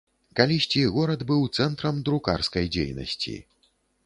Калісьці горад быў цэнтрам друкарскай дзейнасці.